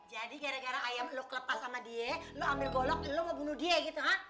jadi gara gara ayam lu kelepas sama dia lu ambil golok lu ngebunuh dia gitu ha